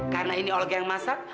karena ini olga yang masak